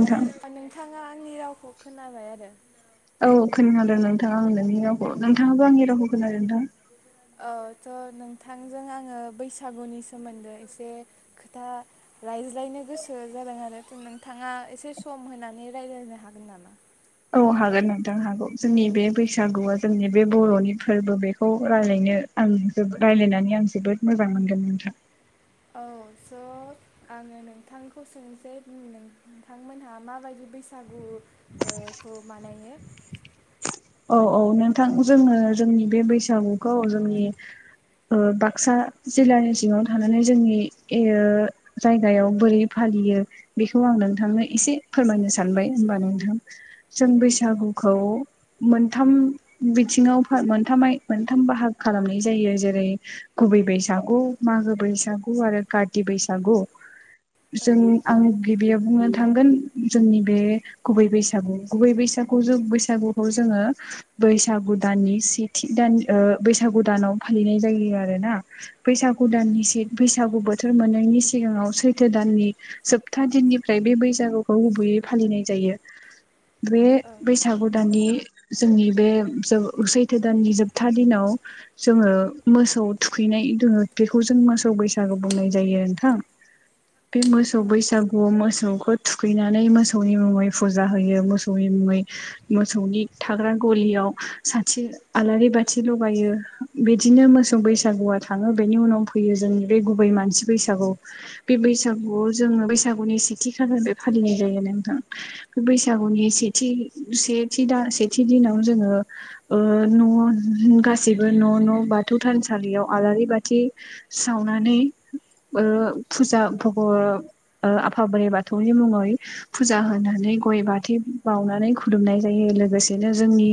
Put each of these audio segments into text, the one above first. नोंथां नोंथाङा आंनि रावखौ खोनाबाय आरो औ खोनादों नोंथाङा आं नोंनि रावखौ नोंथाङाबो आंनि रावखौ खोनादों नोंथां? औ थ' नोंथांजों आङो बैसागुनि सोमोन्दै एसे खोथा रायज्लायनो गोसो जादों आरो नोंथाङा एसे सम होनानै रायज्लायनो हागोन नामा? औ हागोन नोंथां हागौ जोंनि बे बैसागुआ जोंनि बे बर'नि फोरबो बेखौ रायज्लायनो आं जो रायज्लायनानै आं जोबोद मोजां मोनगोन नोंथां औ स' आङो नोंथांखौ सोंनोसै बुं नोंथांमोनहा माबायदि बैसागु ओ खौ मानायो? औ औ नोंथां जोङो जोंनि बे बैसागुखौ जोंनि ओ बाक्सा जिल्लानि सिङाव थानानै जोंनि जायगायाव बोरै फा लियो बेखौ आं नोंथांनो एसे फोरमायनो सानबाय हमबा नोंथां जों बैसागुखौ औ मोनथाम बिथिङाव मोनथाम आय मोनथाम बाहाग खालामनाय जायो जेरै गु गुबै बैसागु मागो बैसागु आरो काति बैसागु औ जों आं गिबियाव बुंनो थांगोन जोंनि बे गुबै बैसागु गुबै बैसा खौ जों बैसागु खौ जोङो बैसागु दाननि सेथि दान ओ बैसागु दानाव फालिनाय जायो आरो बैसागु द बैसागु बोथोर मोनैनि सिगाङाव सैथो दाननि जोबथा सा दिननिफ्राय बे बैसागुखौ गुबैयै फालिनाय जायो बे औ बैसागु दाननि जोंनि बे सैथो दाननि जोबथा। आथा दिनाव जोङो मोसौ थुखैनाय दोङो बेखौ जों मोसौ बैसागु बुंनाय जायो थां बे मोसौ औ बैसागु मोसौखौ थुखैनानै मोसौनि मुङै फुजा होयो मोसौनि मुङै मोसौनि थाग्रा गलियाव साथि आलारि बाथि लगायो बिदिनो सों बैसागुवआ थाङो बेनि उनाव फैयो जोंनि बे गुबै मानसि बैसागु बे बैसागुआव जोङो बैसागुनि सेथि खालाम फालिनाय जायो न नोंथां बे बैसागुनि सेथि सेथि दा सेथि दिनाव जोङो न' गाससिबो न' न' बा बाथौ थानसालियाव आलारि बाथि सावनानै फुजा भग आफा बोराइ बाथौनि मुङै फुजा होनानै गय बाथै बावनानै खुलुमनाय जायो लोगोसेनो जोंनि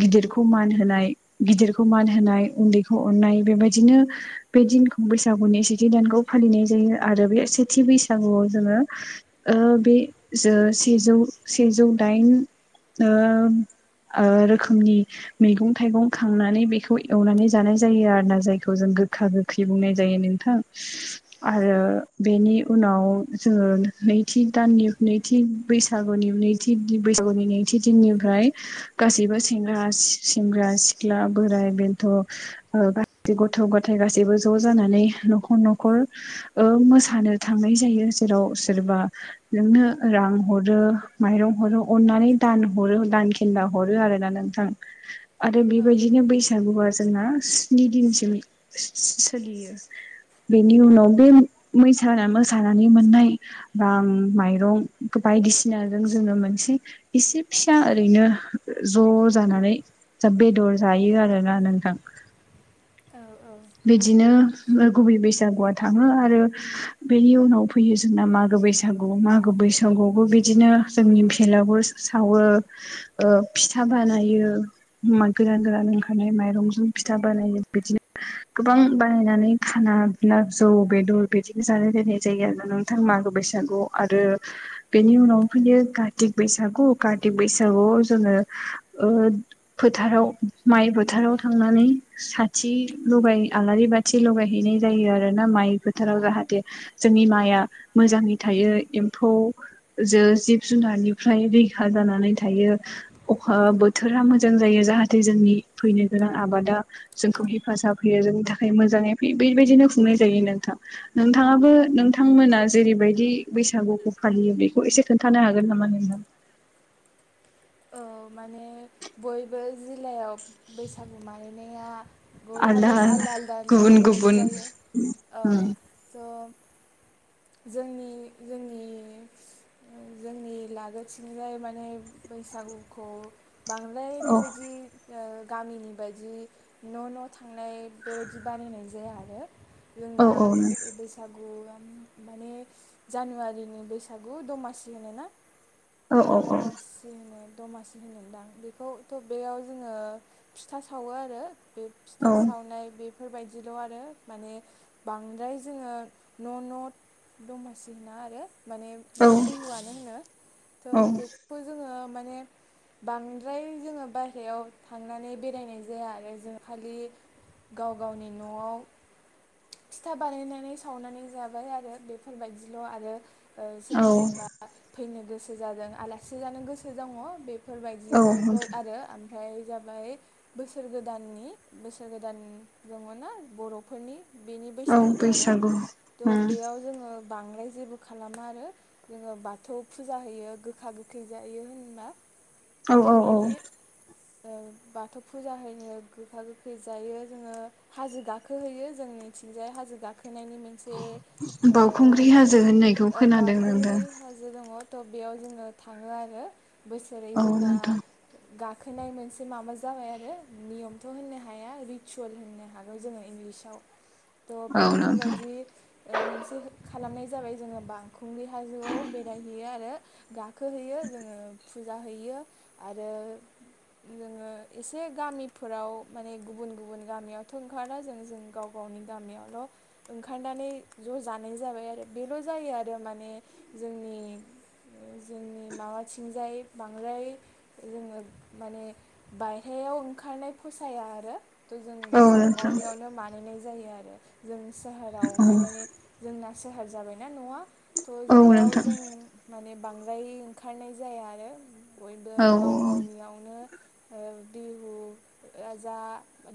गिदिरखौ मान होनाय गिदिरखौ मान होनाय उन्दैखौ अननाय बेबायदि बिदिनो बे दिनखौ बैसागुनि सेथि दानखौ फालिनाय जायो आरो बे सेथि बैसागुआव जोङो बे जो सेजौ सेजौ दाइन ओ ओ रोखोमनि मैगं थाइगं खांनानै बेखौ एवनानै जानाय जायो आर ना जायखौ जों गोखा गोखै बुंनाय जायो नोंथां आरो औ बेनि उनाव जोङो नैथि दाननि नैथि बैसागुनि नैथि बैसागु गौनि नैथि दिननिफ्राय गासैबोेंग्रा सेंग्रा सिख्ला बोराइ बेन्थ' ग गथ' गथाय गासैबो ज' जानानै न'खर न'खर मोसानो थांनाय जायो जेराव सोरबा नोंनो रां हरो माइरं हरो अननानै दान हरो दानखेनदा हरो आरोना नोंथां आरो औ बेबायदिनो बैसागुआ जोंना स्नि दिनसिम सोलियो बेनि उनाव बे मैस मोसानानै मोननाय रां माइरं बायदिसिना फसिनाजों जोंङो मोनसे एसे फिसा ओरैनो ज' जानानै दा बेदर जायो आरो ना नोंथां औ बिदिनो गुबै बेस बैसागु थाङो आरो बेनि उनाव फैयो जोंना मागो बैसागु मागो बैसागुबो बिदिनो जोंनि फलावबो सावो फिथा बानायो। गोरान गोरान ओंखारनाय माइरंजों फिथा बानायो बिदिनो गोबां बानायनानै खाना न जौ बेदर बिदिनो जालाय लायनाय जायो आरो नोंथांमोन मागो बैसागु आरो बेनि उनाव फैयो बैसागु बैसागुआव जोङो फोथाराव माइ फोथाराव थांनानै साथि लगाय आलारि बाथि लगायहैनाय जायो आरो ना माइ फोथाराव जाहाथे जोंनि माइआ मोजाङै थायो एम्फौ जो जिब जुनारनिफ्राय रैखा जानानै बोथोरा मोजां जायो जे जोंनि फनो गोनां आबाद जों सा फैयो जोंनि थाखाय मोजाङै फैयो बेबायदिनो खुंनाय जायो नोंथां नोंथाङाबो नोंथांमोना जेरैबायदि बैसागुखौ फालियो बेखौ एसे खोन्थानो हागोन नामा नों औ माने बयबो जिल्लायाव बैसागु मागिनाया बयहाबो आलदा आलदा आलदा गुबुन नियम गुबुन जायो औ थ' [unintelligible] [inaudible] जोंनि जोंनि जोंनि लागोथिंजाय माने बैसागुखौ बांद्राय बेबायदि गामिनि बायदि न' न' थांनाय बेबायदि बानायनाय जाया आरो। जोंना ब- बैसागु माने जानुवारिनि बैसागु दमासि होनो ना? औ औ औ दमासि होनोदां बेखौ थ' बेयाव जोङो फिथा सावो आरो। बे औ फिथा सावनाय बे। बेफोरबायदिल' आरो माने बांद्राय जोङो न' न' दमासि होनना आरो माने माग बिहुआनो होनो थ' बेखौ जोङो माने बांद्राय जोङो बाहेराव थांनानै बेरायनाय जाया आरो जों खालि। गाव गावनि न'आव फिथा बानायनानै सावनानै जाबाय आरो बेफोरबायदिल' आरो। ओ-सोरबा औ सोरबा फैनो गोसो जादों आलासि जानो गोसो दङ बे औ बेफोरबायदिल' आरो। ओमफ्राय जाबाय बोसोर गोदाननि बोसोर गोदान दङ ना बर'फोरनि। बेनि बैसागु आरो औ थ' बेयाव जोङो। बांद्राय जेबो खालामा आरो जोङो बाथौ फुजा होयो गोखा गो जायो होनबा औ औ बेफोरबायदि। [inaudible] बाथौ फुजा होननो गोखा गोखै जायो जोङो हाजो गाखोहैयो जोंनिथिंजाय हाजो गाखो। होनायनि मोनसे बावखुंग्रि हाजो होननायखौ खोनादों नोंथां ओ-ओ-बाखुंग्रि हाजो दङ। थ' बेयाव जोङो थाङो आरो बोसोरै औ जोंना। नोंथां गाखोनाय मोनसे माबा जाबाय आरो नियमथ' होननो हाया रिसुयेल होननो हागौ जोङो। आव थ' औ नोंथां बेफोरबायदि। ओ-मोनसे खालामनाय जाबाय जोङो बाखंग्रि हाजोआव बेरायहैयो आरो गा खोहैयो जोङो फुजा हैयो आरो। जोङो एसे गामिफोराव माने गुबुन गुबुन गामियावथ' ओंखारला जों जों गाव-गाव नि गामियावल' ओंखारनानै ज' जानाय जाबाय आरो बेल' जायो आरो माने जो [inaudible] जोंनि माबाथिंजाय बांद्राय जोङो माने बायह्रायाव ओंखार नानै फसाया आरो थ' जों औ गावबा नोंथां गावनियावनो बानायनाय जायो आरो जों सहोराव औ माने जोंना सेहार जाबायना न'आ थ' औ बेयाव नोंथां औ जों माने बांद्राय ओंखारनाय जाया आरो बयबो औ गाव गावनियावनो ओ- बिहु ओ- जा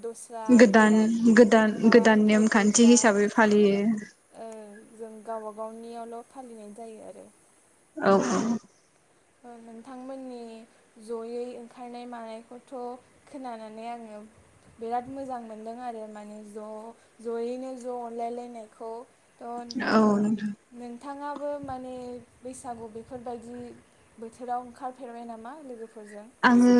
दस्रा गोदान आलदा गोदान गोदान माबाफोरबो नेमखान्थि जा हिसाबै फालियो। जों गावबा गावनियावल' फालिनाय जायो आरो। औ औ नोंथांमोननि जयै ओंखारनाय मानायखौथ' खोनानानै आङो। बिराद मोजां मोनदों आरो माने ज' ज'यैनो ज' अनलायलायनायखौ। औ नोंथां बिथाङाबो माने बैसागु बेफोरबायदि बोथोराव ओंखारफेरबाय नामा लोगोफोर? आङो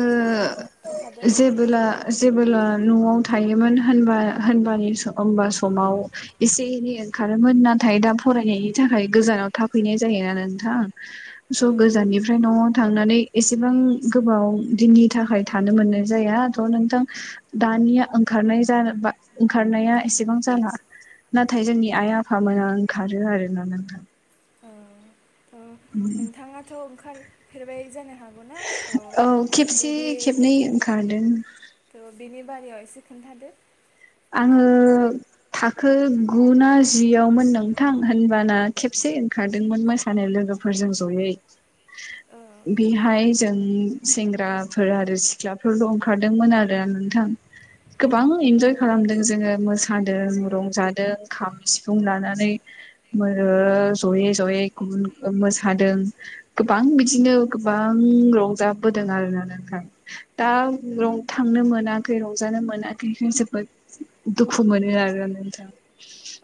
जेबोला जेबोला। न'आव थायोमोन होनबा होनबा होनबा समाव एसे एनै ओंखारोमोन। ना थाय दा फरायनायनि थाखाय गोजानाव थाफैनाय जायो ना नोंथां। स' गोजाननिफ्राय न'आव थांनानै एसेबां। गोबाव दिननि थाखाय थानो मोननाय जाया थ' नोंथां दानिया ओंखारनाय जाबा ओंखारनाया एसेबां जाला नाथाय जोंनि आइ आफामोना ओंखारो आरोना नोंथां। औ नोंथाङाथ' ओंखारफेरबाय जानो? हागौना औ थ' खेबसे बिदि खेबनै ओंखारदों थ'बिनि बारि याव एसे खोन्थादो आङो नोंथाङा थाखो गु ना जियावमोन नोंथां होनबाना खेबसे ओंखारदोंमोन मोसानाय लोगोफोरजों जयै औ बेहाय जों सेंग्राफोर आरो सिख्लाफोरल' ओंखारदोंमोन आरो नोंथां गोबां औ इन्जय खालामदों जोङो मोसादों रं जादों खाम सिफुं लानानै ओ जयै जयै गुब मोसादों गोबां बिदिनो गोबां रंजाबोदों आरोन ओंखाय दा थांनो मोनाखै रंजानो मोनाखै जोबोद दुखु मोननो आरो नोंथां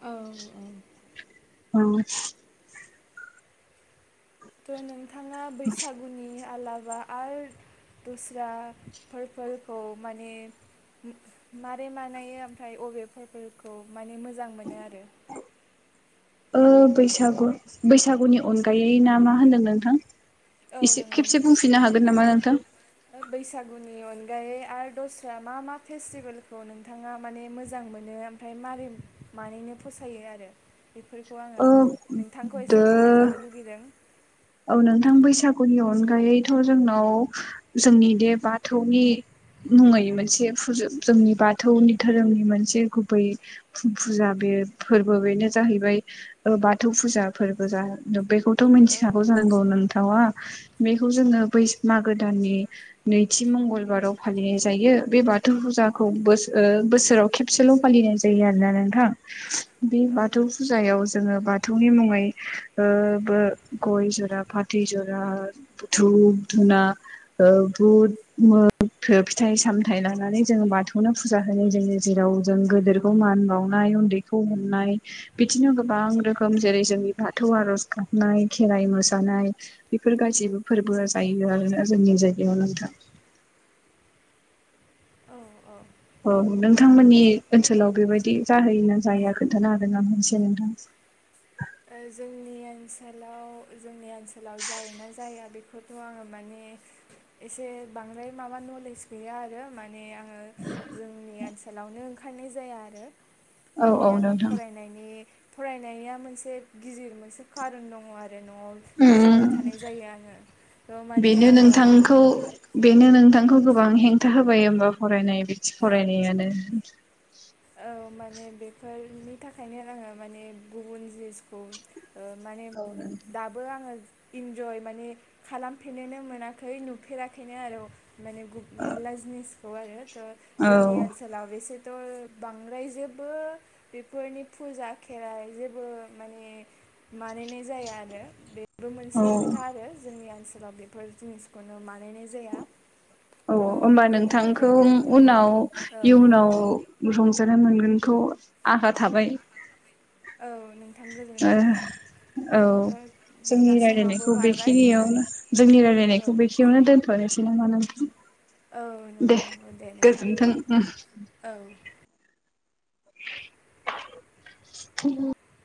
औ औ थ' नोंथाङा बैसागुनि आलाबा आरो दस्राफोर फोरखौ माने मारै मानायो ओमफ्राय अबे बेफोरखौ माने मोजां मोनो आरो ओ बानायनो बैसागु बैसागुनि अनगायै ना मा होनदों नोंथां औ एसे नंगौ खेबसे बुंफिननो हागोन नामा नोंथां? बैसागुनिमोन बैसागुनि अन ओमफ्रायो आरो दस्रा मा मा फेस्टिभेलखौ नोंथाङा माने मोजां मोनो ओमफ्राय मारै मारैनो फसायो आरो बेफोरखौ आङो ओ नोंथांखौ दो एसे फोरमायजानो लुगैदों औ नोंथां बैसागुनि अनगायैथ जोंन जोंनि बे बाथौनि मुङै मोनसे फुजा जोंनि बाथौनि धोरोमनि मोनसे गुबै फुजा बे फोरबो बेनो जाहैबाय बाथौ फुजा फोरबो बेखौथ' औ मिथि फिसाखौ जांगौ [inaudible] नोंथावा बेखौ जोङो बै मागो दाननि नैथि मंगलबार फालिनाय जायो बे बाथौ फुजाखौ बो ओ बोसोराव खेबसेल' फालिनाय जायो आरोना नोंथां बे औ बाथौ फुजायाव जोङो बाथौनि मुङै ओ बो गय जरा फाथै जरा धुप धुना ओ बुद मुग फिथाइ सामथाइ लानानै जोङो बाथौनो फुजा होनाय जायो जेराव जों गेदेरखौ मान बावनाय उन्दैखौ मोननाय बिदिनो गोबां रोखोम जेरै जोंनि बाथौ आरज गाबनाय खेराइ मोसानाय सानाय बेफोर गासैबो फोरबोआ जायो आरोना जोंनि जायगायाव नोंथां औ औ औ नोंथांमोननि ओनसोलाव बेबायदि जाहोयोना जाया खोन्थानो हागोन नामा मोनसे नोंथां [unintelligible] ओ जोंनि ओनसोलाव जोंनि ओनसोलाव जायोना जाया बेखौथ' आङो माने एसे बांद्राय माबा नलेज गैया आरो माने आङो जोंनि आसि ओनसोलावनो ओंखारनाय जाया आरो औ माने औ आङो नोंथां फरायनायनि फरायनाया मोनसे एसे गिदिर मोनसे खारन दङ आरो आरो न'आव थाबाय उम थानाय जायो आङो थ' माने बेनो आङो बे खौ गोबां हेंथा होबाय होमबा फरायनाय बिथिं फरायनायानो औ माने बेफोरनि थाखायनो आङो माने गुबुन जिनिसखौ ओ माने दाबो आङो इन्जय माने खालामफेरनोनो मोनाखै नुफेराखैनो आरो माने मेरला जिनिसखौ आरो थ' औ जोंनि ओनसोलाव बेसेथ' बांद्राय जेबो बेफोरनि फुजा खेराइ जेबो माने मानिनाय जाया आरो बे बेबो औ मोनसे खोथा आरो जोंनि ओनसोलाव बेफोर जिनिसखौनो बानायनाय जाया औ थ' होमबा बेनि नोंथांखौ थाखायनो उनाव औ इयुनाव रंजानो मोनगोनखौ आसा थाबाय औ नोंथां गोजोनगोन औ औ थ' जोंनि जोंना समाबो रायलायनायखौ बारबाय बेखिनियावनो जोंनि औ रायलायनायखौ बेखिनियावनो दोनथ'नोसै नामा नोंथां? औव दे नंगौ दे नोंथां गोजोन्थों औ। उम